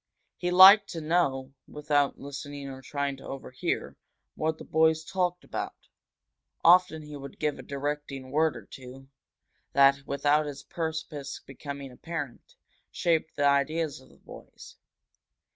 He liked to know, without listening or trying to overhear, what the boys talked about; often he would give a directing word or two, that, without his purpose becoming apparent, shaped the ideas of the boys.